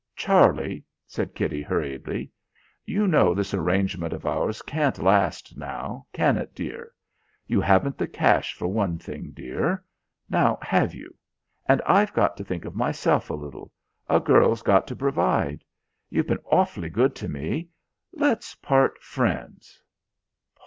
"Charlie," said Kitty, hurriedly, "you know this arrangement of ours can't last, now, can it, dear? You haven't the cash for one thing, dear. Now, have you? And I've got to think of myself a little; a girl's got to provide. You've been awf'ly good to me. Let's part friends."